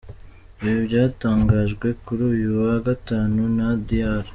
Ibi byatangajwe kuri uyu wa Gatanu na Dr.